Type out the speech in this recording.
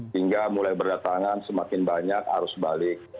hingga mulai berdatangan semakin banyak arus balik